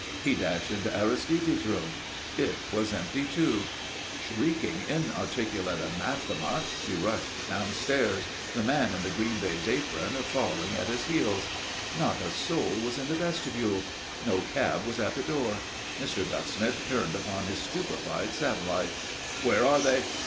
He dashed into Aristide's room. It was empty, too. Shrieking inarticulate anathema, he rushed downstairs, the man in the green baize apron following at his heels. Not a soul was in the vestibule. No cab was at the door. Mr. Ducksmith turned upon his stupefied satellite. "Where are they?"